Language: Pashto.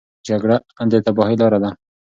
جګړه د تباهۍ لاره ده.